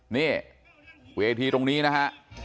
นี่เวทีตรงนี้นะฮะ